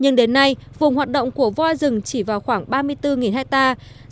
nhưng đến nay vùng hoạt động của voi rừng chỉ vào khoảng ba mươi bốn hectare